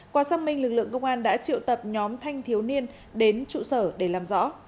qua xác minh lực lượng công an đã triệu tập nhóm thanh thiếu niên đến trụ sở để làm rõ